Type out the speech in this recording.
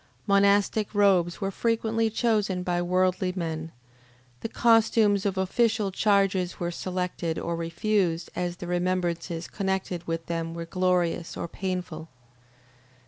Monastic robes were frequently chosen by worldly men, the costumes of official charges were selected or refused as the remembrances connected with them were glorious or painful.